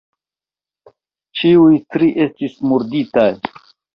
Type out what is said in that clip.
Ĉiuj tri estis murditaj.